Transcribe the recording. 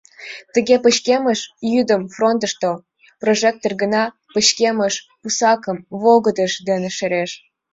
Тыге пычкемыш йӱдым фронтышто прожектор гына пычкемыш пусакым волгыдыж дене шереш.